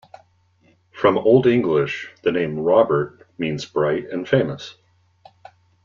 From old English, the name "Robert" means bright and famous.